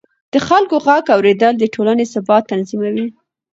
د خلکو غږ اورېدل د ټولنې ثبات تضمینوي